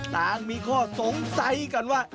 ต่างมีข้อสงสัยกันว่า